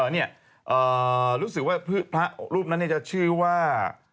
เอ้อรู้สึกว่ารูปนั่นจะชื่อว่า